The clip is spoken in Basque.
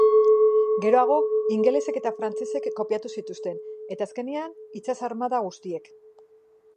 Geroago ingelesek eta frantsesek kopiatu zituzten, eta azkenean itsas-armada guztiek.